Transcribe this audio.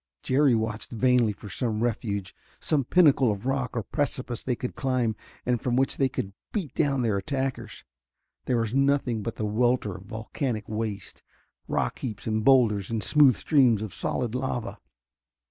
Jerry watched vainly for some refuge, some pinnacle of rock or precipice they could climb, and from which they could beat down their attackers. There was nothing but the welter of volcanic waste: rock heaps and boulders and smooth streams of solid lava.